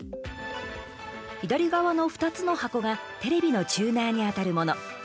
左側の２つの箱がテレビのチューナーにあたるもの。